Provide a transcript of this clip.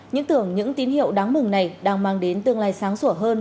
những tưởng những tín hiệu đáng mừng này đang mang đến tương lai sáng sủa hơn